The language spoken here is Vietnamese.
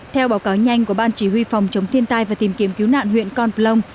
theo báo cáo nhanh của ban chỉ huy phòng chống thiên tai và tìm kiếm cứu nạn huyện con plông